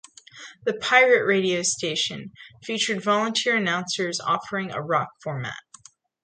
The "pirate radio" station featured volunteer announcers offering a rock format.